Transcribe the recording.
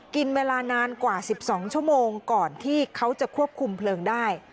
กินเวลานานกว่า๑๒ชั่วโมงก่อนที่เขาจะควบคุมเพลิงได้